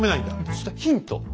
そしたらヒント。